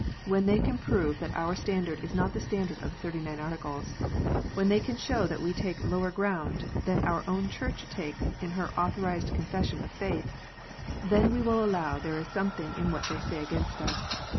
When they can prove that our standard is not the standard of the Thirty nine Articles, when they can show that we take lower ground than our own Church takes in her authorized Confession of faith, then we will allow there is something in what they say against us.